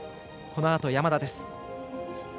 このあと山田です。